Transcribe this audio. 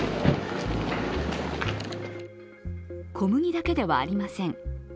小麦だけではありません。